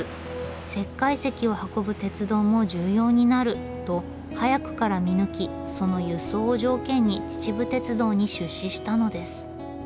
石灰石を運ぶ鉄道も重要になると早くから見抜きその輸送を条件に秩父鉄道に出資したのです。